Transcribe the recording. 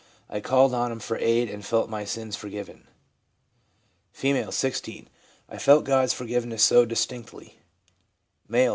I called on Him for aid and felt my sins forgiven/ F, 16. ' I felt God's forgiveness so distinctly/ M., 15.